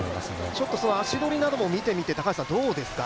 ちょっと足取りなども見てみてどうですか？